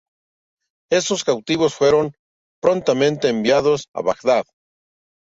Estos cautivos fueron prontamente enviados a Bagdad.